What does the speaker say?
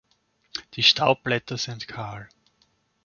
Die Staubblätter sind kahl.